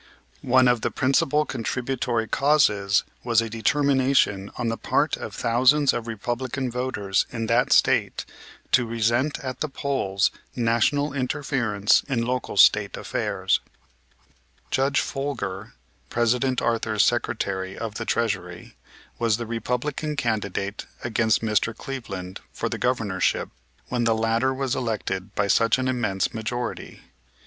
One of the principal contributory causes was a determination on the part of thousands of Republican voters in that State to resent at the polls National interference in local State affairs. Judge Folger, President Arthur's Secretary of the Treasury, was the Republican candidate against Mr. Cleveland for the Governorship when the latter was elected by such an immense majority.